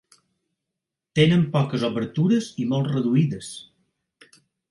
Tenen poques obertures i molt reduïdes.